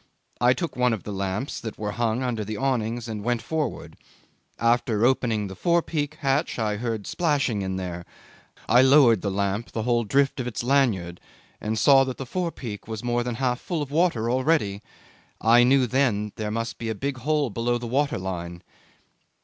I took one of the lamps that were hung under the awnings and went forward. After opening the forepeak hatch I heard splashing in there. I lowered then the lamp the whole drift of its lanyard, and saw that the forepeak was more than half full of water already. I knew then there must be a big hole below the water line.